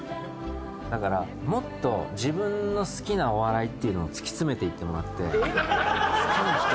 だからもっと自分の好きなお笑いっていうのを突き詰めていってもらって。